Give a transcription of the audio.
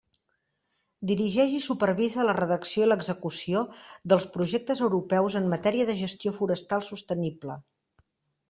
Dirigeix i supervisa la redacció i l'execució dels projectes europeus en matèria de gestió forestal sostenible.